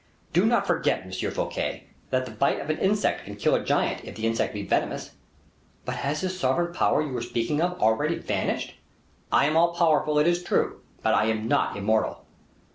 "Do not forget, Monsieur Fouquet, that the bit of an insect can kill a giant, if the insect be venomous." "But has this sovereign power you were speaking of, already vanished?" "I am all powerful, it is true, but I am not immortal."